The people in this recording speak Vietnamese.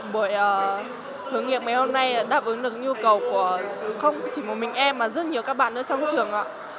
buổi hướng nghiệp mấy hôm nay đáp ứng được nhu cầu của không chỉ một mình em mà rất nhiều các bạn ở trong trường